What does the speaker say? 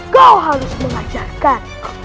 kau harus mengajarkan